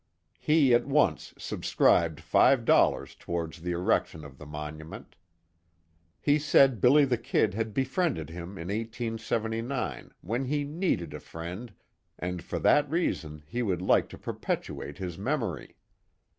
He at once subscribed five dollars towards the erection of the monument. He said "Billy the Kid" had befriended him in 1879, when he needed a friend, and for that reason he would like to perpetuate his memory.